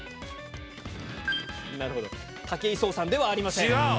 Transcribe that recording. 武井壮さんではありません。